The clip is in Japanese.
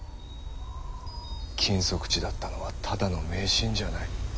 禁足地だったのはただの迷信じゃない。